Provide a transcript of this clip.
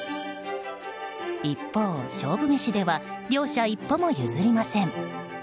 一方、勝負メシでは両者一歩も譲りません。